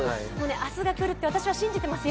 明日が来るって私は信じてますよ！